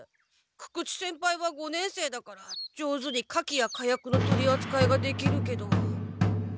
久々知先輩は五年生だから上手に火器や火薬の取りあつかいができるけど。